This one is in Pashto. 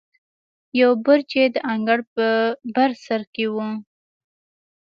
یو برج یې د انګړ په بر سر کې و.